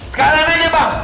sekarang aja bang